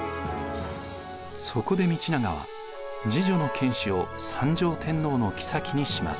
そこで道長は次女の子を三条天皇の后にします。